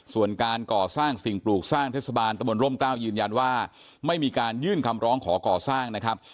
ส่วนการก่อสร้างสิ่งปลูกสร้างเทศบาลตะบนร่มกล้าวยืนยันว่าไม่มีการยื่นคำร้องขอก่อสร้างนะครับ